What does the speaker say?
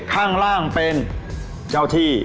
ข้างล่างเป็นเจ้าที่